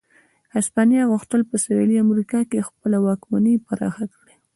هسپانیا غوښتل په سوېلي امریکا کې خپله واکمني پراخه کړي.